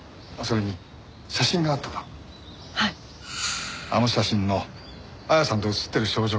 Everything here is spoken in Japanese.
あの写真の亜矢さんと写ってる少女が誰か。